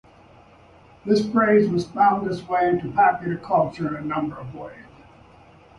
This phrase has found its way into popular culture in a number of ways.